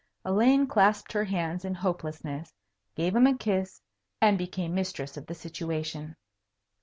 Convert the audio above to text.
Elaine clasped her hands in hopelessness, gave him a kiss, and became mistress of the situation.